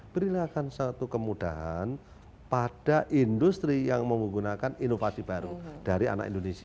berilahkan satu kemudahan pada industri yang menggunakan inovasi baru dari anak indonesia